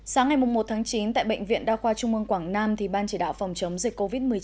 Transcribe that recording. sáng ngày một tháng chín tại bệnh viện đa khoa trung ương quảng nam ban chỉ đạo phòng chống dịch covid một mươi chín